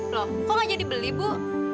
loh kok gak jadi beli bu